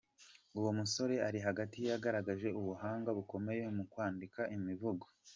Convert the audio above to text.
Uwo musore uri hagati yagaragaje ubuhanga bukomeye mu kwandika imivugo.